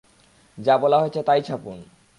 যা বলা হয়েছে তাই ছাপুন।